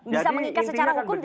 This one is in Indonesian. bisa mengikat secara hukum